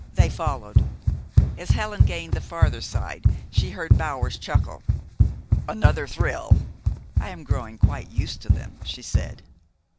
They followed. As Helen gained the further side she heard Bower's chuckle: "Another thrill!" "I am growing quite used to them," she said.